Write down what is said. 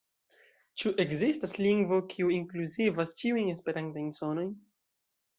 Ĉu ekzistas lingvo, kiu inkluzivas ĉiujn esperantajn sonojn?